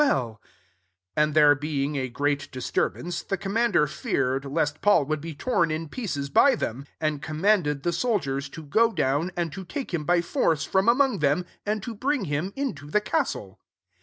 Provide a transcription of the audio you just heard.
'» 10 And there be ing a great disturbance, the :ommander feared lest Paul irouM be torn in pieces by hem ; and commanded the sbl iiers to go down, and to take lim by force from among them, md to bring him into the castle.